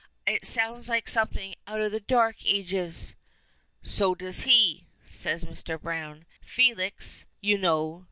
"It sounds like something out of the dark ages." "So does he," says Mr. Browne. "'Felix,' you know.